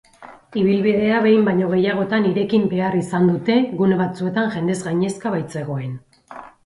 Ibilbidea behin baino gehiagotan irekin behar izan dute gune batzuetan jendez gainezka baitzegoen.